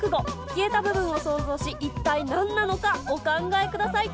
消えた部分を想像し一体何なのかお考えください。